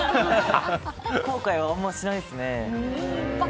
後悔はあんまりしないですね。